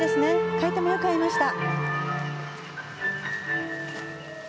回転もよく合いました。